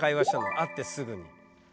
会ってすぐに。